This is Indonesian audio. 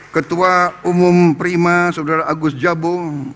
ketua umum prima saudara agus jabung